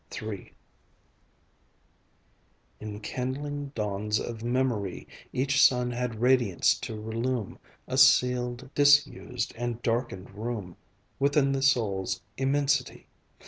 III Enkindling dawns of memory, Each sun had radiance to relume A sealed, disused, and darkened room Within the soul's immensity.